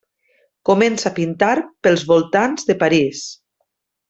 Comença a pintar pels voltants de París.